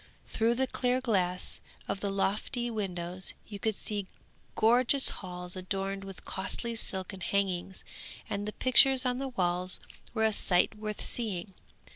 Through the clear glass of the lofty windows you could see gorgeous halls adorned with costly silken hangings, and the pictures on the walls were a sight worth seeing.